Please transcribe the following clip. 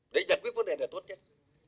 để giải quyết vấn đề này tốt chắc